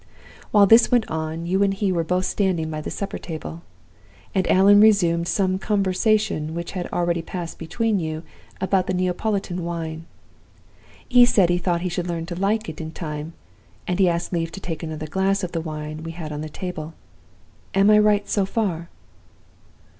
While this went on, you and he were both standing by the supper table; and Allan resumed some conversation which had already passed between you about the Neapolitan wine. He said he thought he should learn to like it in time, and he asked leave to take another glass of the wine we had on the table. Am I right so far?